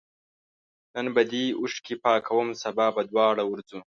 نن به دي اوښکي پاکوم سبا به دواړه ورځو